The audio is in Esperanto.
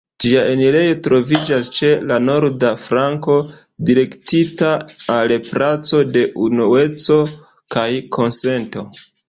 Ĝia enirejo troviĝas ĉe la norda flanko, direktita al placo de Unueco kaj Konsento.